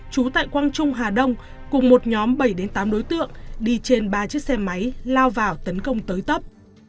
trú tại quang trung hà đông cùng một nhóm bảy tám đối tượng đi trên ba chiếc xe máy lao vào tấn công tới tấp